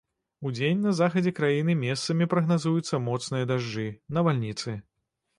Удзень на захадзе краіны месцамі прагназуюцца моцныя дажджы, навальніцы.